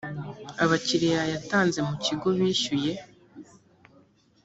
abakiliya yatanze mu kigo bishyuye.